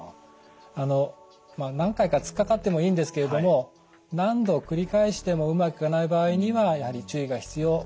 あのまあ何回か突っかかってもいいんですけれども何度繰り返してもうまくいかない場合にはやはり注意が必要。